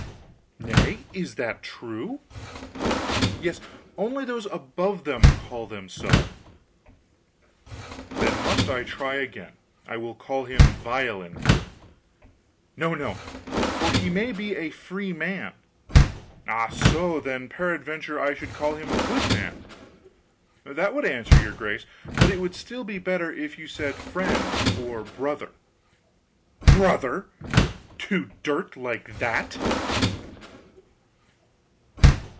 "Nay, is that true?" "Yes; only those above them call them so." "Then must I try again. I will call him villein." "No no; for he may be a freeman." "Ah so. Then peradventure I should call him goodman." "That would answer, your grace, but it would be still better if you said friend, or brother." "Brother! to dirt like that?"